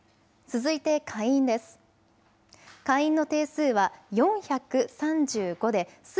続いて下院です。